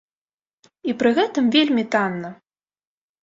І пры гэтым вельмі танна.